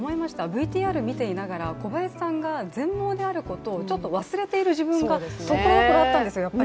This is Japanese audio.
ＶＴＲ見ていながら、小林さんが全盲であることをちょっと忘れている自分がところどころあったんですよ。